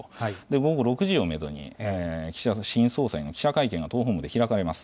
午後６時をメドに岸田新総裁の記者会見が党本部で開かれます。